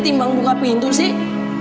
timbang buka pintu sih